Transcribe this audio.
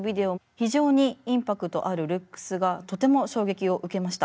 非常にインパクトあるルックスがとても衝撃を受けました。